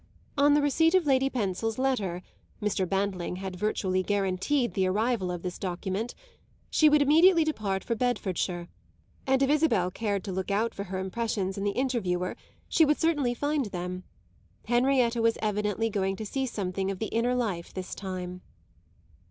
On the receipt of Lady Pensil's letter Mr. Bantling had virtually guaranteed the arrival of this document she would immediately depart for Bedfordshire, and if Isabel cared to look out for her impressions in the Interviewer she would certainly find them. Henrietta was evidently going to see something of the inner life this time.